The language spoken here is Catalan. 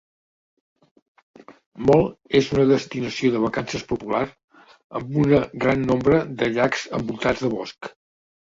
Mol és una destinació de vacances popular, amb una gran nombre de llacs envoltats de bosc.